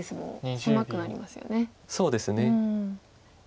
そうですね。